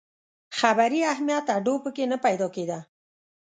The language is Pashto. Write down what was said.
خبري اهمیت هډو په کې نه پیدا کېده.